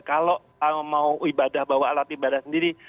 kalau mau ibadah bawa alat ibadah sendiri